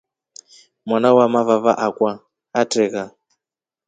Mwana wamavava akwa atreka.